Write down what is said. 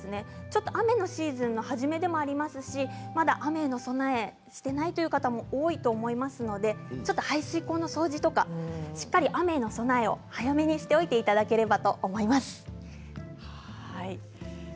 ちょっと雨のシーズンの始めでもありますしまだ雨の備えしていないという方も多いと思いますので排水溝の掃除とかしっかり雨への備えを早めにしておいていただければと思います。